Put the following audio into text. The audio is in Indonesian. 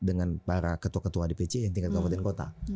dengan para ketua ketua dpc yang tingkat kabupaten kota